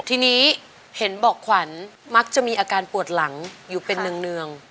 ทีนี้เห็นบอกขวัญมักจะมีอาการปวดหลังอยู่เป็นเนือง